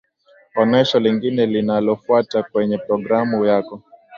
onesho lingine linalofuata kwenye progrmu yako